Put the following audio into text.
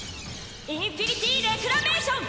インフィニティ・レクラメーション！